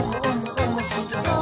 おもしろそう！」